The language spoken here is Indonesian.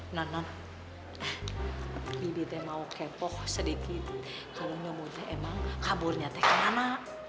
nanan bibitnya mau kepo sedikit kalau nyomuteh emang kaburnya teh kemana